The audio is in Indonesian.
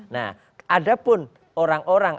nah ada pun orang orang